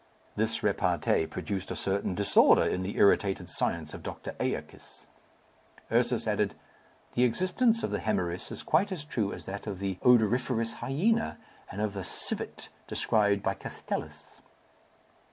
This repartee produced a certain disorder in the irritated science of Doctor Æacus. Ursus added, "The existence of the hoemorrhoüs is quite as true as that of the odoriferous hyena, and of the civet described by Castellus."